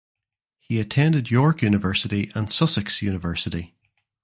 He attended York University and Sussex University.